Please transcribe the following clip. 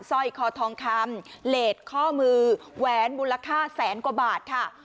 สร้อยคอทองคำเลสข้อมือแหวนมูลค่าแสนกว่าบาทค่ะ